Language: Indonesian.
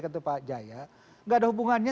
kata pak jaya nggak ada hubungannya